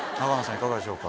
いかがでしょうか？